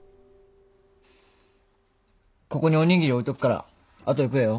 ここにおにぎり置いとくから後で食えよ。